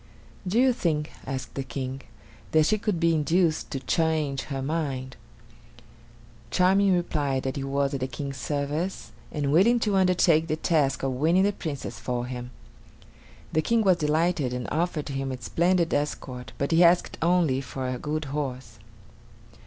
"Do you think," asked the King, "that she could be induced to change her mind?" Charming replied that he was at the King's service and willing to undertake the task of winning the Princess for him. The King was delighted and offered him a splendid escort, but he asked only for a good horse.